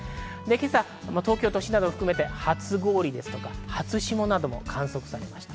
今朝、東京都心などを含めて初氷ですとか、初霜なども観測されました。